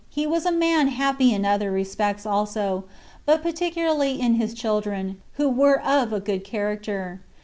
He was a man happy in other respects also, but particularly in his children, who were of a good character.